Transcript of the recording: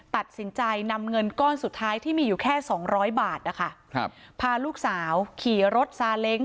ตัดสินใจนำเงินก้อนสุดท้ายที่มีอยู่แค่๒๐๐บาทพาลูกสาวขี่รถซาเล้ง